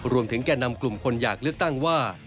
แก่นำกลุ่มคนอยากเลือกตั้งว่า